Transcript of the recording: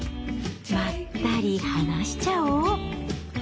まったりはなしちゃお！